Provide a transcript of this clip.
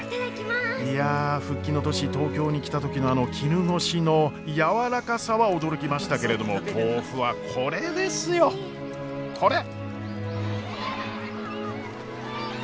いや復帰の年東京に来た時のあの絹ごしの軟らかさは驚きましたけれども豆腐はこれですよこれ！